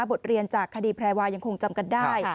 บทเรียนจากคดีแพรวายังคงจำกันได้